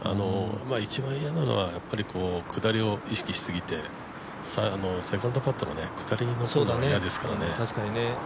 一番嫌なのは下りを意識しすぎて、セカンドパットも下りにのせるのは嫌ですからね。